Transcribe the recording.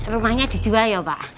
rumahnya dijual ya pak